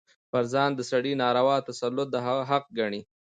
پر ځان د سړي ناروا تسلط د هغه حق ګڼي.